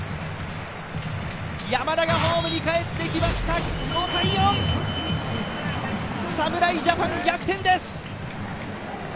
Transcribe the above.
山田がホームに返ってきました５−４、侍ジャパン、逆転です。